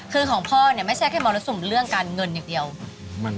คือของพ่อเนี่ยไม่ใช่แค่มรสุมเรื่องการเงินอย่างเดียว